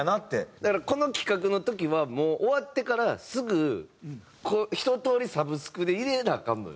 だからこの企画の時はもう終わってからすぐひととおりサブスクで入れなアカンのよ。